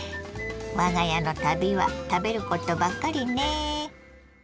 我が家の旅は食べることばっかりね。